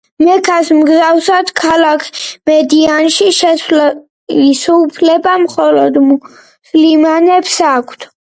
მექას მსგავსად, ქალაქ მედინაში შესვლის უფლება მხოლოდ მუსლიმანებს აქვთ.